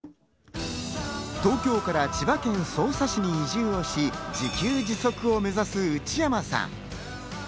東京から千葉県匝瑳市に移住し自給自足を目指す内山さん。